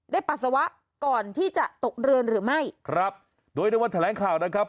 ปัสสาวะก่อนที่จะตกเรือนหรือไม่ครับโดยในวันแถลงข่าวนะครับ